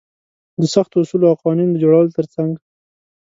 د سختو اصولو او قوانينونو د جوړولو تر څنګ.